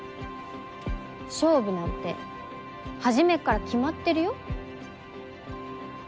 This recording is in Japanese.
勝負なんてはじめっから決まってるよ？